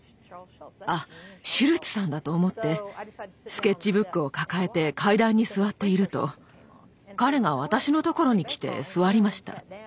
「あっシュルツさんだ」と思ってスケッチブックを抱えて階段に座っていると彼が私のところに来て座りました。